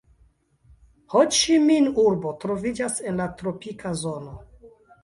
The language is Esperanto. Ho-Ĉi-Min-urbo troviĝas en la tropika zono.